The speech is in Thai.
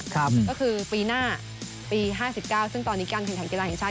ก็คือปีหน้าปี๕๙ซึ่งตอนนี้การแข่งขันกีฬาแห่งชาติ